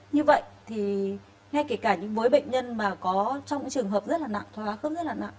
như vậy thì ngay kể cả những bối bệnh nhân mà có trong trường hợp rất là nặng thoái hóa khớp rất là nặng